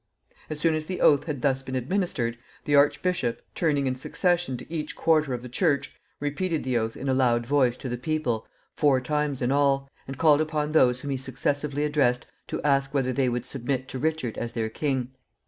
As soon as the oath had thus been administered, the archbishop, turning in succession to each quarter of the church, repeated the oath in a loud voice to the people, four times in all, and called upon those whom he successively addressed to ask whether they would submit to Richard as their king.